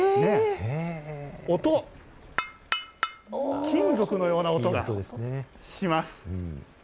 音、金属のような音がします。